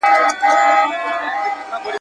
د پښتونستان د ورځي ,